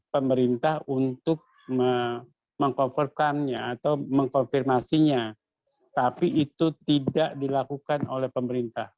kewajiban pemerintah untuk mengkonfirmasinya tapi itu tidak dilakukan oleh pemerintah